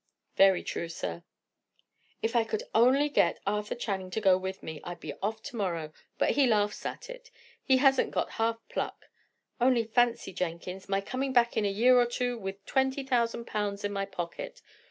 "Very true, sir." "If I could only get Arthur Channing to go with me, I'd be off to morrow! But he laughs at it. He hasn't got half pluck. Only fancy, Jenkins! my coming back in a year or two with twenty thousand pounds in my pocket!